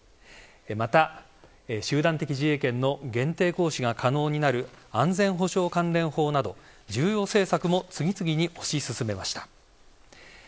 また、集団的自衛権の限定行使が可能になる安全保障関連法など重要政策も次々に押し進めました。